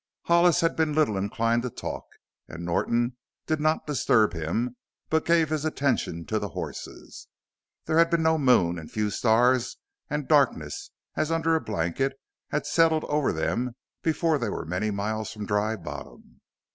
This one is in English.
Hollis had been little inclined to talk and Norton did not disturb him, but gave his attention to the horses. There had been no moon and few stars, and darkness, as under a blanket, had settled over them before they were many miles from Dry Bottom.